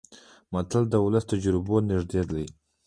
متل د ولس د تجربو زېږنده ده